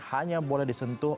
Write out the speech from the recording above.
hanya boleh disentuh